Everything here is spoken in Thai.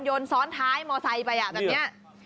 ยนต์ซ้อนท้ายมอเซย์ไปอ่ะแบบนี้นี่เหรอ